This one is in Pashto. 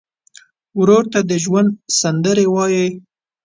ورور ته د ژوند سندرې وایې.